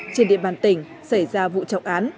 trên địa bàn tỉnh xảy ra vụ trọng án